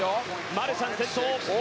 マルシャン先頭。